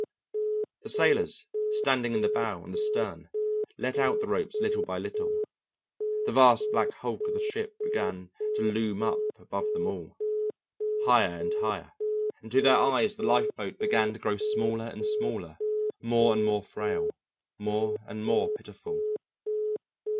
The sailors standing in the bow and the stern let out the ropes little by little, the vast black hulk of the ship began to loom up above them all, higher and higher, and to their eyes the lifeboat began to grow smaller and smaller, more and more frail, more and more pitiful.